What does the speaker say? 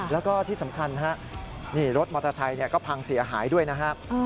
แล้วก็ที่สำคัญฮะนี่รถมอเตอร์ไซค์ก็พังเสียหายด้วยนะครับ